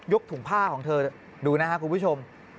ถุงผ้าของเธอดูนะครับคุณผู้ชม